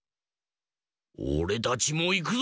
おれたちもいくぞ！